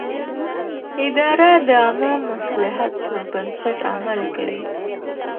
اداره د عامه مصلحت پر بنسټ عمل کوي.